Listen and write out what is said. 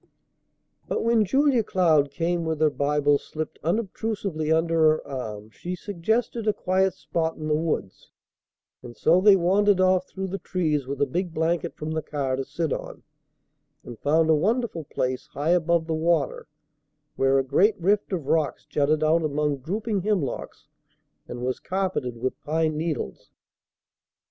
But, when Julia Cloud came with her Bible slipped unobtrusively under her arm, she suggested a quiet spot in the woods; and so they wandered off through the trees with a big blanket from the car to sit on, and found a wonderful place, high above the water, where a great rift of rocks jutted out among drooping hemlocks, and was carpeted with pine needles.